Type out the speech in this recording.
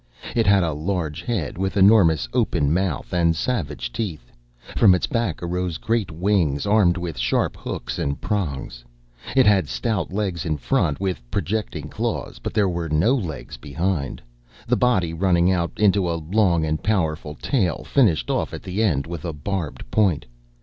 It had a large head, with enormous open mouth and savage teeth; from its back arose great wings, armed with sharp hooks and prongs; it had stout legs in front, with projecting claws; but there were no legs behind,—the body running out into a long and powerful tail, finished off at the end with a barbed point.